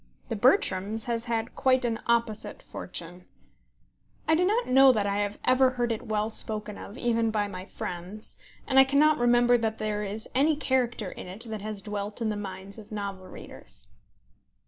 The Bertrams has had quite an opposite fortune. I do not know that I have ever heard it well spoken of even by my friends, and I cannot remember that there is any character in it that has dwelt in the minds of novel readers.